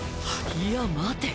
いや待て！？